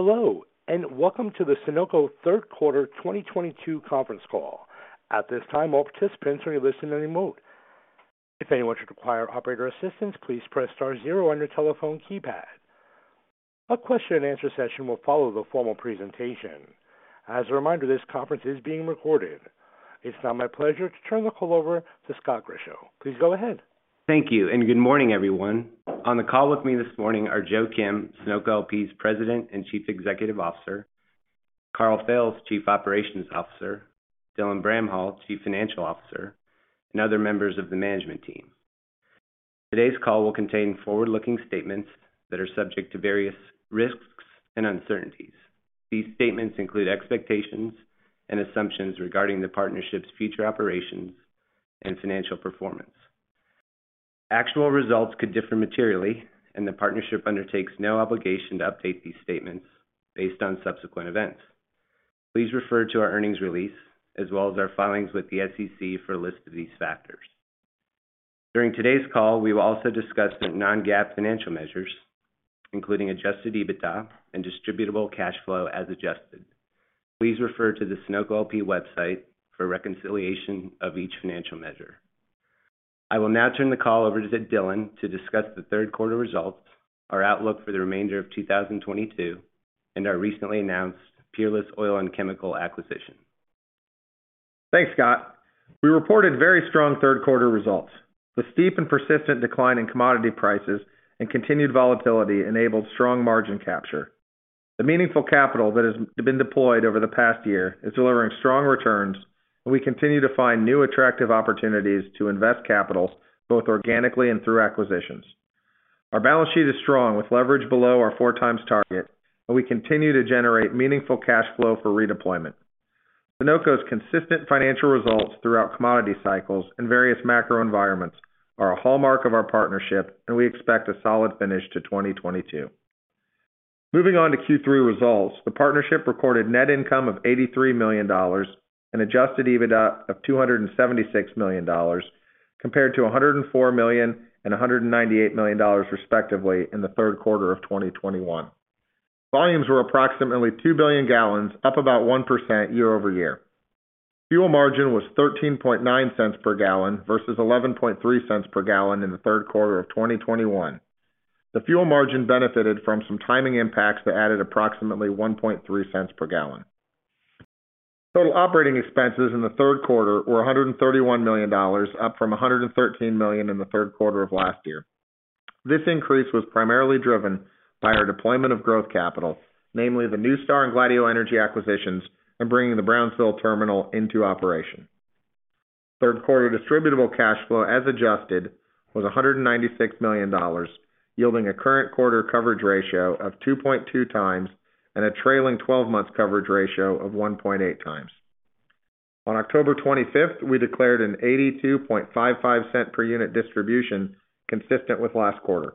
Hello, and welcome to the Sunoco Q3 2022 conference call. At this time, all participants are in listen only mode. If anyone should require operator assistance, please press star zero on your telephone keypad. A question and answer session will follow the formal presentation. As a reminder, this conference is being recorded. It's now my pleasure to turn the call over to Scott Grischow. Please go ahead. Thank you, and good morning, everyone. On the call with me this morning are Joe Kim, Sunoco LP's President and Chief Executive Officer, Karl Fails, Chief Operations Officer, Dylan Bramhall, Chief Financial Officer, and other members of the management team. Today's call will contain forward-looking statements that are subject to various risks and uncertainties. These statements include expectations and assumptions regarding the partnership's future operations and financial performance. Actual results could differ materially, and the partnership undertakes no obligation to update these statements based on subsequent events. Please refer to our earnings release as well as our filings with the SEC for a list of these factors. During today's call, we will also discuss some non-GAAP financial measures, including adjusted EBITDA and distributable cash flow as adjusted. Please refer to the Sunoco LP website for reconciliation of each financial measure. I will now turn the call over to Dylan to discuss the Q3 results, our outlook for the remainder of 2022, and our recently announced Peerless Oil & Chemical acquisition. Thanks, Scott. We reported very strong Q3 results. The steep and persistent decline in commodity prices and continued volatility enabled strong margin capture. The meaningful capital that has been deployed over the past year is delivering strong returns, and we continue to find new attractive opportunities to invest capital both organically and through acquisitions. Our balance sheet is strong, with leverage below our 4x target, and we continue to generate meaningful cash flow for redeployment. Sunoco's consistent financial results throughout commodity cycles and various macro environments are a hallmark of our partnership, and we expect a solid finish to 2022. Moving on to Q3 results, the partnership recorded net income of $83 million and adjusted EBITDA of $276 million, compared to $104 million and $198 million respectively in the Q3 of 2021. Volumes were approximately 2 billion gallons, up about 1% year-over-year. Fuel margin was 13.9 cents per gallon versus 11.3 cents per gallon in the Q3 of 2021. The fuel margin benefited from some timing impacts that added approximately 1.3 cents per gallon. Total operating expenses in the Q3 were $131 million, up from $113 million in the Q3 of last year. This increase was primarily driven by our deployment of growth capital, namely the NuStar and Gladieux Energy acquisitions, and bringing the Brownsville terminal into operation. Q3 distributable cash flow as adjusted was $196 million, yielding a current quarter coverage ratio of 2.2 times and a trailing twelve months coverage ratio of 1.8 times. On October 25, we declared a $0.8255 per unit distribution consistent with last quarter.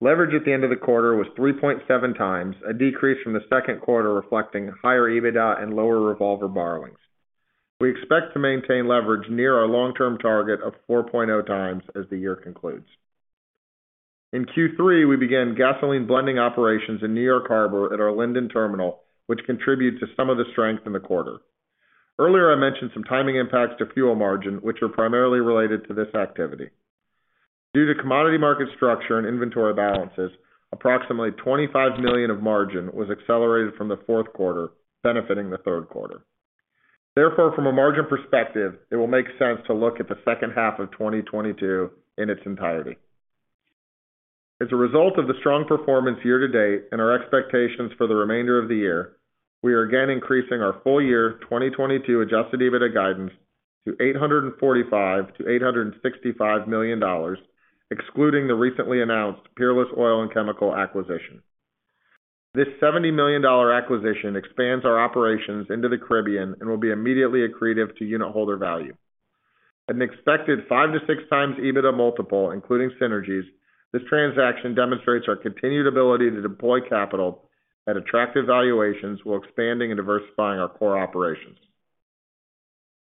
Leverage at the end of the quarter was 3.7x, a decrease from the Q2 reflecting higher EBITDA and lower revolver borrowings. We expect to maintain leverage near our long-term target of 4.0x as the year concludes. In Q3, we began gasoline blending operations in New York Harbor at our Linden terminal, which contributes to some of the strength in the quarter. Earlier, I mentioned some timing impacts to fuel margin, which are primarily related to this activity. Due to commodity market structure and inventory balances, approximately $25 million of margin was accelerated from the Q4, benefiting the Q3. Therefore, from a margin perspective, it will make sense to look at the H2 of 2022 in its entirety. As a result of the strong performance year to date and our expectations for the remainder of the year, we are again increasing our full year 2022 adjusted EBITDA guidance to $845 million-$865 million, excluding the recently announced Peerless Oil & Chemical acquisition. This $70 million acquisition expands our operations into the Caribbean and will be immediately accretive to unitholder value. At an expected 5-6x EBITDA multiple, including synergies, this transaction demonstrates our continued ability to deploy capital at attractive valuations while expanding and diversifying our core operations.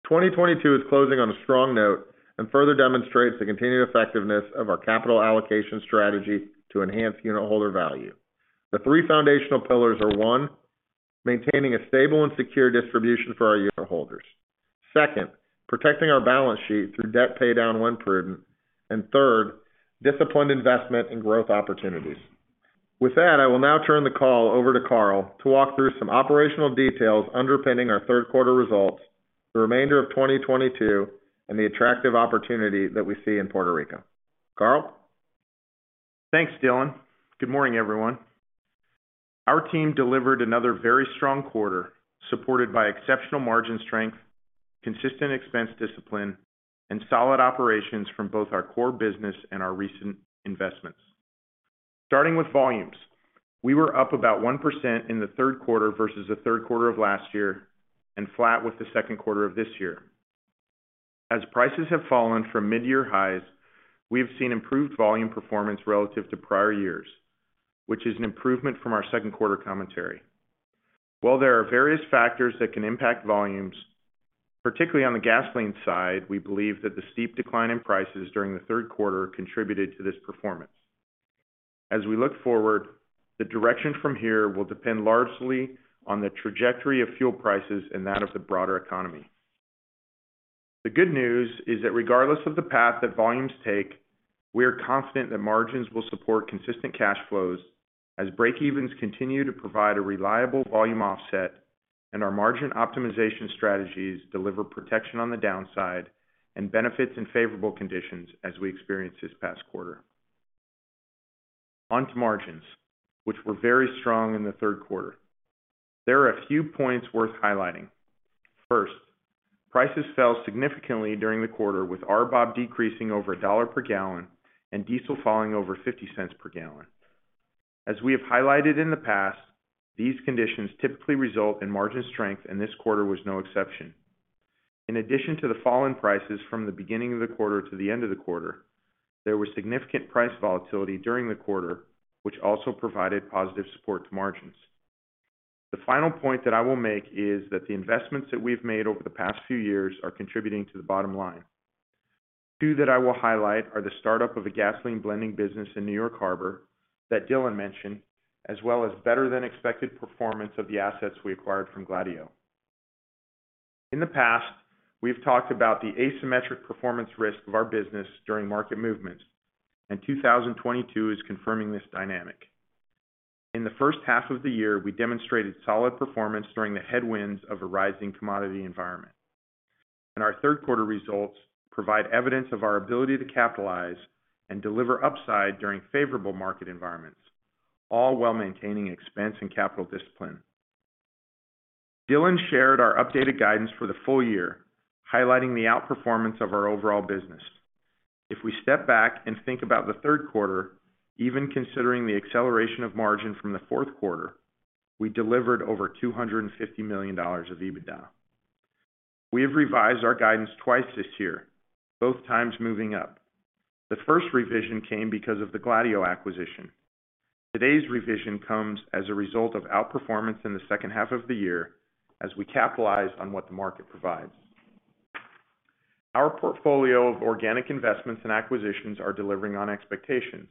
2022 is closing on a strong note and further demonstrates the continued effectiveness of our capital allocation strategy to enhance unitholder value. The three foundational pillars are, one, maintaining a stable and secure distribution for our unitholders. Second, protecting our balance sheet through debt paydown when prudent. Third, disciplined investment in growth opportunities. With that, I will now turn the call over to Karl to walk through some operational details underpinning our Q3 results, the remainder of 2022, and the attractive opportunity that we see in Puerto Rico. Karl? Thanks, Dylan. Good morning, everyone. Our team delivered another very strong quarter, supported by exceptional margin strength, consistent expense discipline, and solid operations from both our core business and our recent investments. Starting with volumes, we were up about 1% in the Q3 versus the Q3 of last year and flat with the Q2 of this year. As prices have fallen from mid-year highs, we have seen improved volume performance relative to prior years, which is an improvement from our Q2 commentary. While there are various factors that can impact volumes, particularly on the gasoline side, we believe that the steep decline in prices during the Q3 contributed to this performance. As we look forward, the direction from here will depend largely on the trajectory of fuel prices and that of the broader economy. The good news is that regardless of the path that volumes take, we are confident that margins will support consistent cash flows as breakevens continue to provide a reliable volume offset and our margin optimization strategies deliver protection on the downside and benefits in favorable conditions as we experienced this past quarter. On to margins, which were very strong in the Q3. There are a few points worth highlighting. First, prices fell significantly during the quarter with RBOB decreasing over $1 per gallon and diesel falling over $0.50 per gallon. As we have highlighted in the past, these conditions typically result in margin strength, and this quarter was no exception. In addition to the fall in prices from the beginning of the quarter to the end of the quarter, there was significant price volatility during the quarter, which also provided positive support to margins. The final point that I will make is that the investments that we've made over the past few years are contributing to the bottom line. Two that I will highlight are the startup of a gasoline blending business in New York Harbor that Dylan mentioned, as well as better than expected performance of the assets we acquired from Gladieux. In the past, we've talked about the asymmetric performance risk of our business during market movements, and 2022 is confirming this dynamic. In the H1 of the year, we demonstrated solid performance during the headwinds of a rising commodity environment. Our Q3 results provide evidence of our ability to capitalize and deliver upside during favorable market environments, all while maintaining expense and capital discipline. Dylan shared our updated guidance for the full year, highlighting the outperformance of our overall business. If we step back and think about the Q3, even considering the acceleration of margin from the Q4, we delivered over $250 million of EBITDA. We have revised our guidance twice this year, both times moving up. The first revision came because of the Gladieux acquisition. Today's revision comes as a result of outperformance in the H2 of the year as we capitalize on what the market provides. Our portfolio of organic investments and acquisitions are delivering on expectations.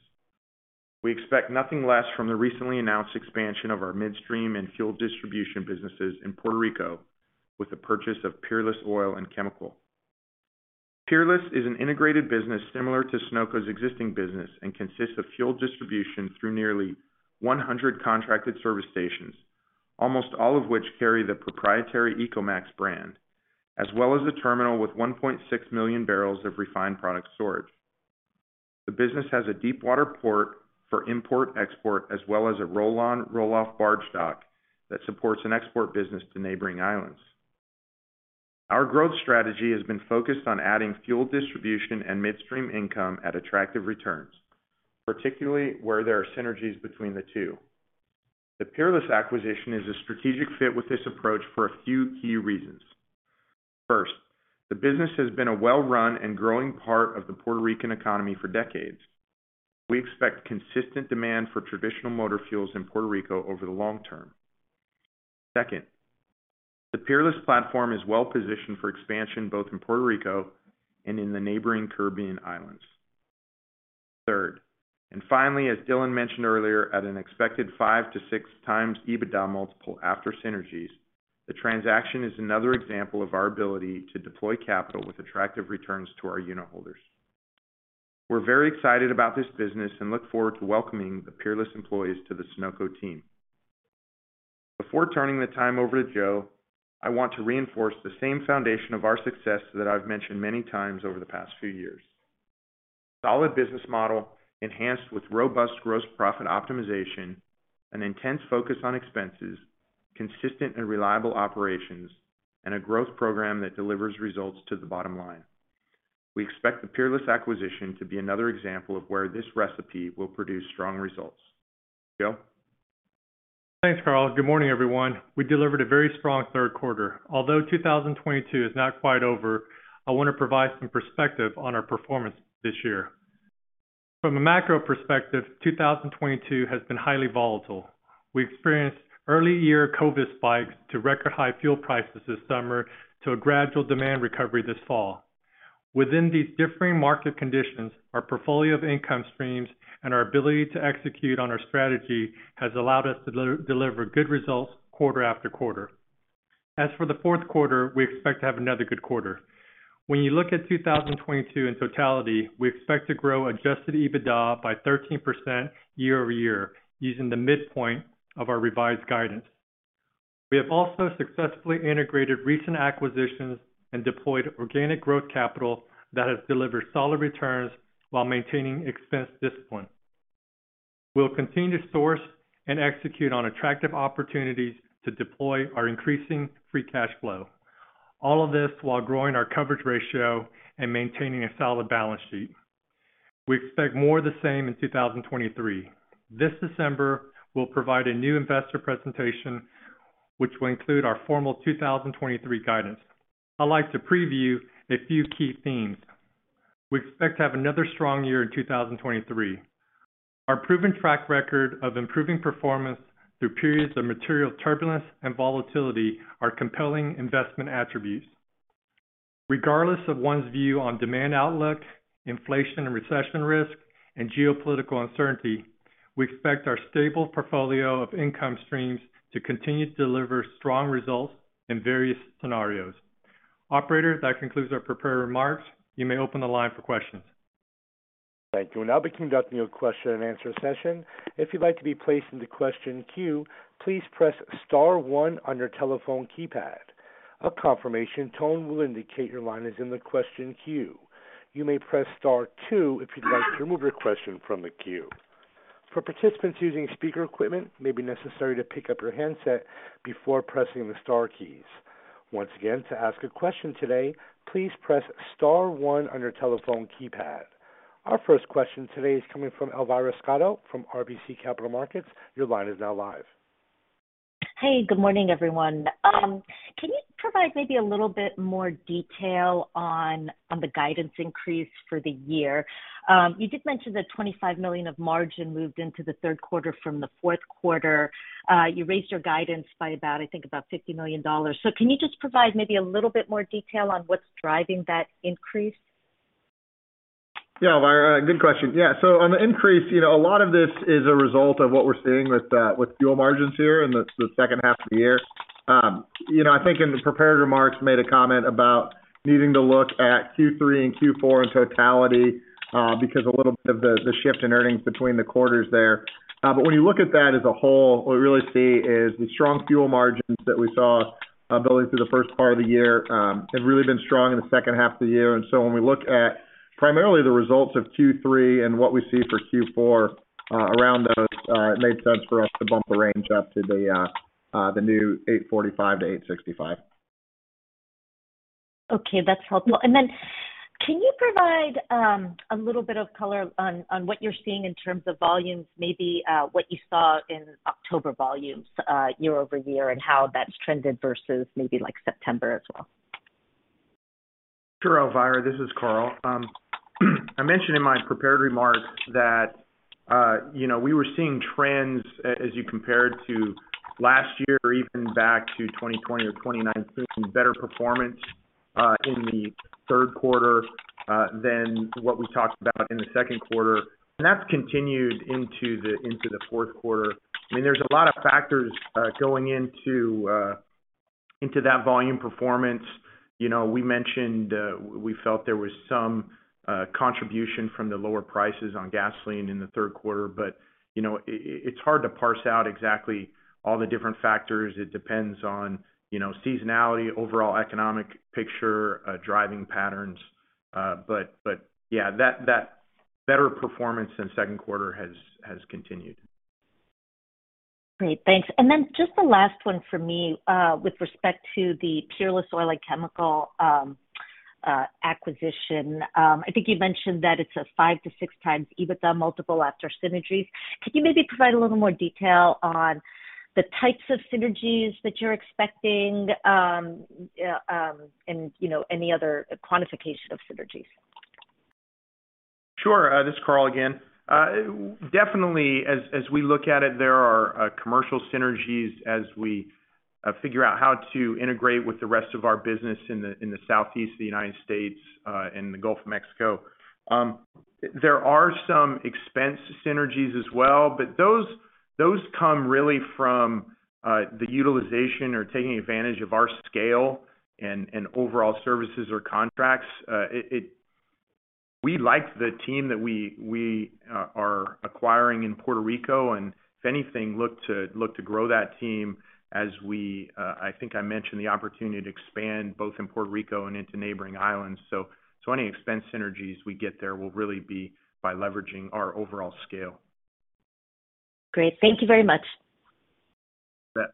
We expect nothing less from the recently announced expansion of our midstream and fuel distribution businesses in Puerto Rico with the purchase of Peerless Oil & Chemical. Peerless is an integrated business similar to Sunoco's existing business and consists of fuel distribution through nearly 100 contracted service stations, almost all of which carry the proprietary MaxxNOS brand, as well as a terminal with 1.6 million barrels of refined product storage. The business has a deep water port for import, export, as well as a roll-on, roll-off barge dock that supports an export business to neighboring islands. Our growth strategy has been focused on adding fuel distribution and midstream income at attractive returns, particularly where there are synergies between the two. The Peerless acquisition is a strategic fit with this approach for a few key reasons. First, the business has been a well-run and growing part of the Puerto Rican economy for decades. We expect consistent demand for traditional motor fuels in Puerto Rico over the long term. Second, the Peerless platform is well-positioned for expansion, both in Puerto Rico and in the neighboring Caribbean islands. Third, and finally, as Dylan mentioned earlier, at an expected 5-6x EBITDA multiple after synergies, the transaction is another example of our ability to deploy capital with attractive returns to our unit holders. We're very excited about this business and look forward to welcoming the Peerless employees to the Sunoco team. Before turning the time over to Joe, I want to reinforce the same foundation of our success that I've mentioned many times over the past few years. Solid business model enhanced with robust gross profit optimization, an intense focus on expenses, consistent and reliable operations, and a growth program that delivers results to the bottom line. We expect the Peerless acquisition to be another example of where this recipe will produce strong results. Joe? Thanks, Karl. Good morning, everyone. We delivered a very strong Q3. Although 2022 is not quite over, I want to provide some perspective on our performance this year. From a macro perspective, 2022 has been highly volatile. We experienced early year COVID spikes to record high fuel prices this summer to a gradual demand recovery this fall. Within these differing market conditions, our portfolio of income streams and our ability to execute on our strategy has allowed us to deliver good results quarter-after-quarter. As for the Q4, we expect to have another good quarter. When you look at 2022 in totality, we expect to grow adjusted EBITDA by 13% year-over-year using the midpoint of our revised guidance. We have also successfully integrated recent acquisitions and deployed organic growth capital that has delivered solid returns while maintaining expense discipline. We'll continue to source and execute on attractive opportunities to deploy our increasing free cash flow. All of this while growing our coverage ratio and maintaining a solid balance sheet. We expect more of the same in 2023. This December, we'll provide a new investor presentation, which will include our formal 2023 guidance. I'd like to preview a few key themes. We expect to have another strong year in 2023. Our proven track record of improving performance through periods of material turbulence and volatility are compelling investment attributes. Regardless of one's view on demand outlook, inflation and recession risk, and geopolitical uncertainty, we expect our stable portfolio of income streams to continue to deliver strong results in various scenarios. Operator, that concludes our prepared remarks. You may open the line for questions. Thank you. We'll now be conducting your question-and-answer session. If you'd like to be placed in the question queue, please press star one on your telephone keypad. A confirmation tone will indicate your line is in the question queue. You may press star two if you'd like to remove your question from the queue. For participants using speaker equipment, it may be necessary to pick up your handset before pressing the star keys. Once again, to ask a question today, please press star one on your telephone keypad. Our first question today is coming from Elvira Scotto from RBC Capital Markets. Your line is now live. Hey, good morning, everyone. Can you provide maybe a little bit more detail on the guidance increase for the year? You did mention that $25 million of margin moved into the Q3 from the Q4. You raised your guidance by about, I think, $50 million. Can you just provide maybe a little bit more detail on what's driving that increase? Yeah. Elvira, good question. Yeah. On the increase a lot of this is a result of what we're seeing with fuel margins here in the H2 of the year. I think in the prepared remarks, made a comment about needing to look at Q3 and Q4 in totality, because a little bit of the shift in earnings between the quarters there. When you look at that as a whole, what we really see is the strong fuel margins that we saw building through the first part of the year have really been strong in the H2 of the year. When we look at primarily the results of Q3 and what we see for Q4, around those, it made sense for us to bump the range up to the new $845-$865. Okay. That's helpful. Can you provide a little bit of color on what you're seeing in terms of volumes, maybe what you saw in October volumes year-over-year, and how that's trended versus maybe like September as well? Sure, Elvira, this is Karl. I mentioned in my prepared remarks that we were seeing trends as you compare it to last year or even back to 2020 or 2019, seeing some better performance in the Q3 than what we talked about in the Q2. That's continued into the Q4. I mean, there's a lot of factors going into that volume performance. We mentioned we felt there was some contribution from the lower prices on gasoline in the Q3. But it's hard to parse out exactly all the different factors. It depends on seasonality, overall economic picture, driving patterns. But yeah, that better performance in the Q2 has continued. Great. Thanks. Just the last one for me, with respect to the Peerless Oil & Chemical acquisition. I think you mentioned that it's a 5x-6x EBITDA multiple after synergies. Can you maybe provide a little more detail on the types of synergies that you're expecting, and any other quantification of synergies? Sure. This is Karl again. Definitely, as we look at it, there are commercial synergies as we figure out how to integrate with the rest of our business in the southeast of the United States, in the Gulf of Mexico. There are some expense synergies as well, but those come really from the utilization or taking advantage of our scale and overall services or contracts. We like the team that we are acquiring in Puerto Rico, and if anything, look to grow that team as we, I think I mentioned the opportunity to expand both in Puerto Rico and into neighboring islands. Any expense synergies we get there will really be by leveraging our overall scale. Great. Thank you very much. You bet.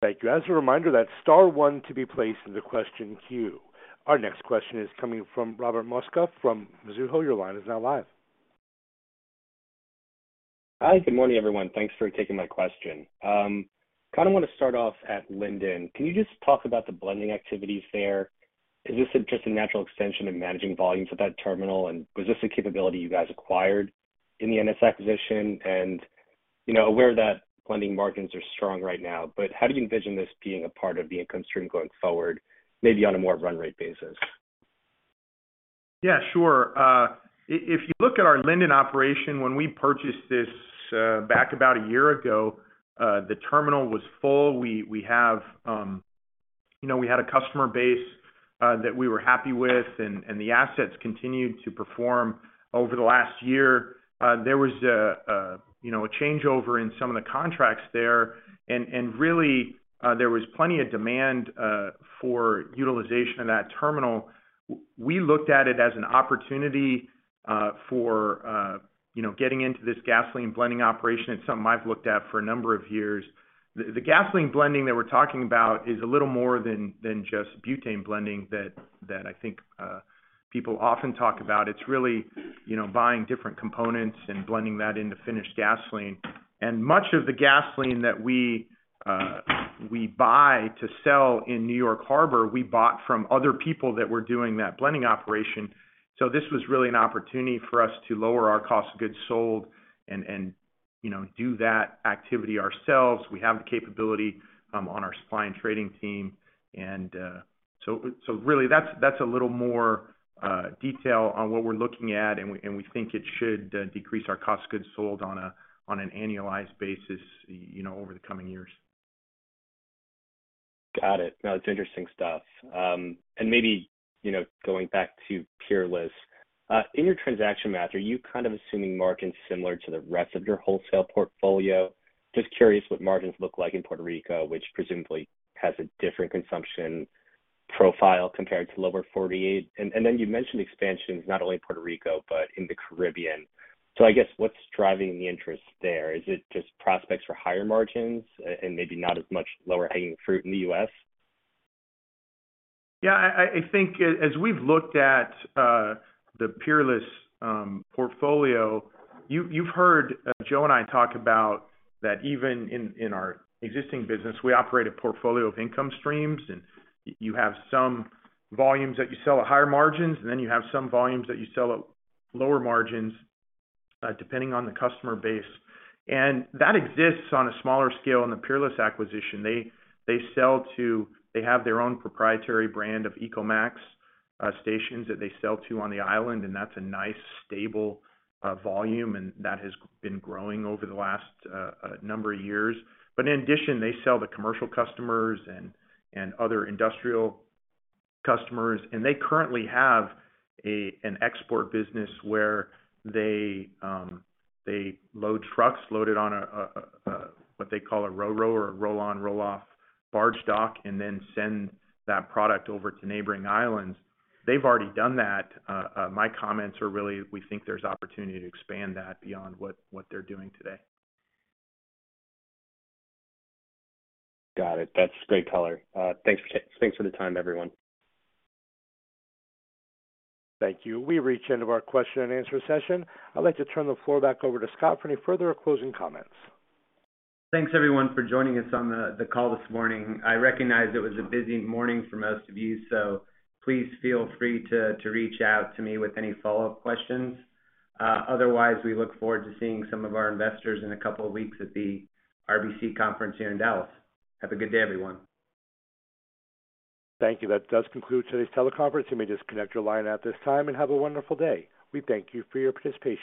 Thank you. As a reminder, that's star one to be placed in the question queue. Our next question is coming from Robert Mosca from Mizuho. Your line is now live. Hi, good morning, everyone. Thanks for taking my question. Kind of want to start off at Linden. Can you just talk about the blending activities there? Is this just a natural extension of managing volumes at that terminal, and was this a capability you guys acquired in the NuStar acquisition? Aware that blending margins are strong right now, but how do you envision this being a part of the income stream going forward, maybe on a more run rate basis? Yeah, sure. If you look at our Linden operation, when we purchased this back about a year ago, the terminal was full. You know, we had a customer base that we were happy with, and the assets continued to perform over the last year. There was a you know a changeover in some of the contracts there, and really, there was plenty of demand for utilization of that terminal. We looked at it as an opportunity for you know getting into this gasoline blending operation. It's something I've looked at for a number of years. The gasoline blending that we're talking about is a little more than just butane blending that I think people often talk about. It's really, you know, buying different components and blending that into finished gasoline. Much of the gasoline that we buy to sell in New York Harbor, we bought from other people that were doing that blending operation. This was really an opportunity for us to lower our cost of goods sold and do that activity ourselves. We have the capability on our supply and trading team. So really that's a little more detail on what we're looking at, and we think it should decrease our cost of goods sold on an annualized basis over the coming years. Got it. No, it's interesting stuff. Maybe going back to Peerless. In your transaction math, are you kind of assuming margins similar to the rest of your wholesale portfolio? Just curious what margins look like in Puerto Rico, which presumably has a different consumption profile compared to lower forty-eight. Then you mentioned expansions, not only in Puerto Rico, but in the Caribbean. I guess, what's driving the interest there? Is it just prospects for higher margins and maybe not as much lower hanging fruit in the U.S.? Yeah. I think as we've looked at the Peerless portfolio, you've heard Joe and I talk about that even in our existing business, we operate a portfolio of income streams. You have some volumes that you sell at higher margins, and then you have some volumes that you sell at lower margins depending on the customer base. That exists on a smaller scale in the Peerless acquisition. They have their own proprietary brand of MaxNOS stations that they sell to on the island, and that's a nice, stable volume, and that has been growing over the last number of years. In addition, they sell to commercial customers and other industrial customers, and they currently have an export business where they load trucks, load it on a. What they call a Ro-Ro or a roll-on/roll-off barge dock, and then send that product over to neighboring islands. They've already done that. My comments are really, we think there's opportunity to expand that beyond what they're doing today. Got it. That's great color. Thanks for the time, everyone. Thank you. We've reached the end of our question and answer session. I'd like to turn the floor back over to Scott for any further closing comments. Thanks, everyone, for joining us on the call this morning. I recognize it was a busy morning for most of you, so please feel free to reach out to me with any follow-up questions. Otherwise, we look forward to seeing some of our investors in a couple of weeks at the RBC conference here in Dallas. Have a good day, everyone. Thank you. That does conclude today's teleconference. You may disconnect your line at this time, and have a wonderful day. We thank you for your participation.